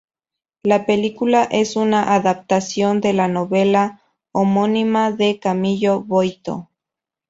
La película es una adaptación de la novela homónima de Camillo Boito.